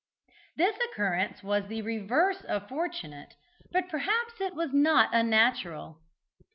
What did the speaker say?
This occurrence was the reverse of fortunate, but perhaps it was not unnatural.